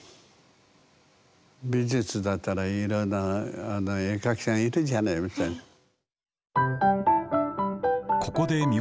美術だったらいろんな絵描きさんいるじゃありませんか。